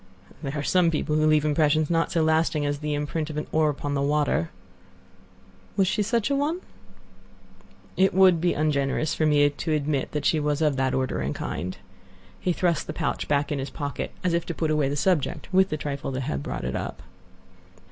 "There are some people who leave impressions not so lasting as the imprint of an oar upon the water." "Was she such a one?" "It would be ungenerous for me to admit that she was of that order and kind." He thrust the pouch back in his pocket, as if to put away the subject with the trifle which had brought it up.